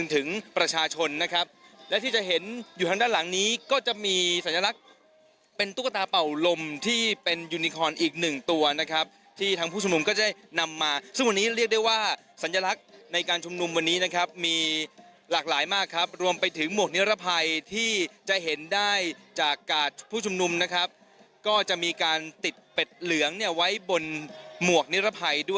ถึงประชาชนนะครับและที่จะเห็นอยู่ทางด้านหลังนี้ก็จะมีสัญลักษณ์เป็นตุ๊กตาเป่าลมที่เป็นยูนิคอนอีกหนึ่งตัวนะครับที่ทางผู้ชุมนุมก็ได้นำมาซึ่งวันนี้เรียกได้ว่าสัญลักษณ์ในการชุมนุมวันนี้นะครับมีหลากหลายมากครับรวมไปถึงหมวกนิรภัยที่จะเห็นได้จากกาดผู้ชุมนุมนะครับก็จะมีการติดเป็ดเหลืองเนี่ยไว้บนหมวกนิรภัยด้วย